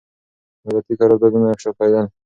دولتي قراردادونه افشا کېدل.